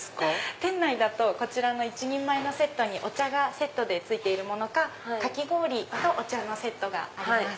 店内だと１人前のセットお茶が付いているものかかき氷とお茶のセットがあります。